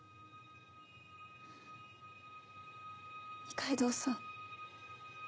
二階堂さん